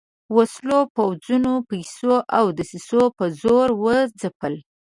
وسلو، پوځونو، پیسو او دسیسو په زور وځپل.